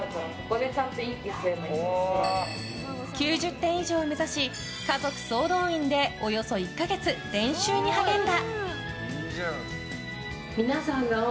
９０点以上を目指し家族総動員でおよそ１か月練習に励んだ。